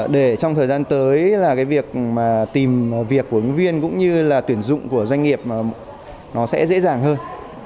để trong thời gian tới là cái việc mà tìm việc của ứng viên cũng như là tuyển dụng của doanh nghiệp nó sẽ dễ dàng hơn